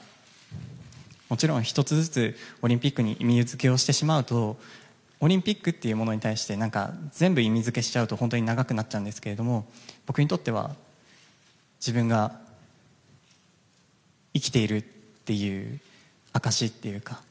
もちろん、１つずつオリンピックに意味づけをしてしまうとオリンピックというものに対して全部意味づけしちゃうと本当に長くなっちゃうんですけど僕にとっては自分が生きているという証しというか。